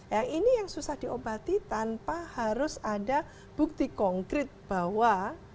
ya ini yang susah diobati tanpa harus ada bukti konkret bahwa